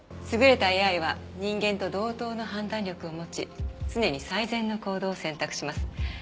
優れたＡＩは人間と同等の判断力を持ち常に最善の行動を選択します。